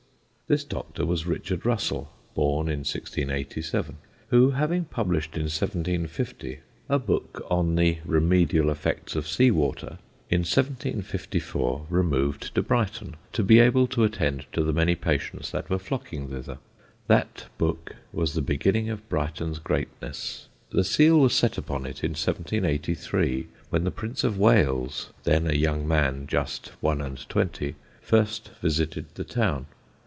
This doctor was Richard Russell, born in 1687, who, having published in 1750 a book on the remedial effects of sea water, in 1754 removed to Brighton to be able to attend to the many patients that were flocking thither. That book was the beginning of Brighton's greatness. The seal was set upon it in 1783, when the Prince of Wales, then a young man just one and twenty, first visited the town.